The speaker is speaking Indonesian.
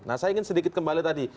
nah saya ingin sedikit kembali tadi